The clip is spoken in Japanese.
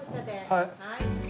はい。